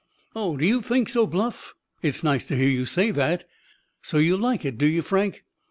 "Oh, do you think so, Bluff? It's nice to hear you say that. So you like it, do you, Frank?